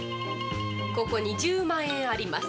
ここに１０万円あります。